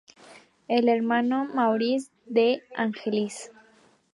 Es hermano de Maurizio De Angelis.